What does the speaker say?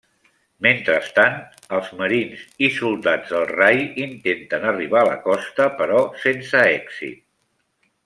Mentrestant, els marins i soldats del rai intenten arribar a la costa, però sense èxit.